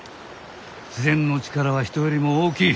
自然の力は人よりも大きい。